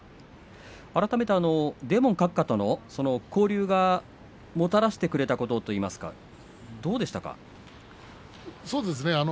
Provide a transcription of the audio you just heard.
改めてデーモン閣下との交流がもたらしてくれたことといいますか、どうですか。